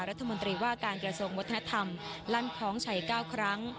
รัฐมนตรีว่าการกระทรวงวัฒนธรรมลั่นคล้องชัย๙ครั้ง